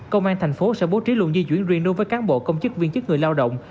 công an thành phố sẽ bố trí luồng di chuyển riêng đối với cán bộ công chức viên chức người lao động